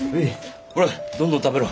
ほらどんどん食べろ。